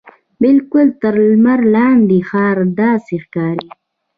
بالکل تر لمر لاندې ښار داسې ښکاري.